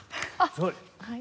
すごい。